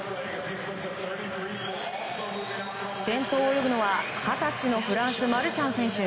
先頭を泳ぐのは二十歳のフランス、マルシャン選手。